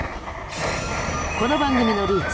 この番組のルーツ